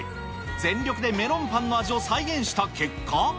全力でメロンパンの味を再現した結果。